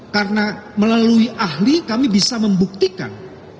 karena melalui ahli kami bisa membuktikan